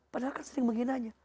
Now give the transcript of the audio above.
padahal kan sering menghinanya